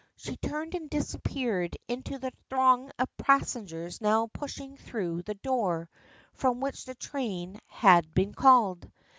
She turned and disappeared in the throng of passengers now pushing through the door from which the train had been called.